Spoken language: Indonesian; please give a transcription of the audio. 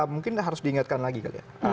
mungkin harus diingatkan lagi kali ya